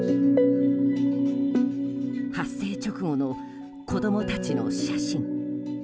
発生直後の子供たちの写真。